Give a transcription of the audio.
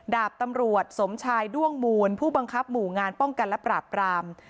ดาบตำรวจสมชายด้วงมูลผู้บังคับหมู่งานป้องกันและปราบราม